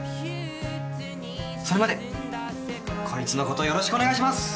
それまでこいつのことよろしくお願いします。